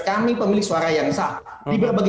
kami pemilik suara yang sah di berbagai